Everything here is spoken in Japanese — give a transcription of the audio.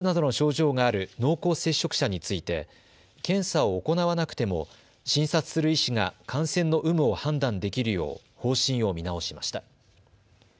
ところで厚生労働省は発熱などの症状がある濃厚接触者について検査を行わなくても診察する医師が感染の有無を判断できるよう方針を見直しました。